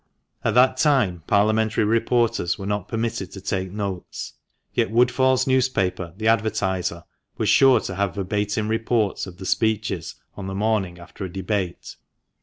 At that time Parliamentary reporters were not permitted to take notes. Yet Woodfall's newspaper, The Advertiser, was sure to have verbatim reports of the speeches on the morning after a debate.